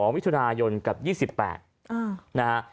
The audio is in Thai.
๒วิทยุนายนกับ๒๘นะครับ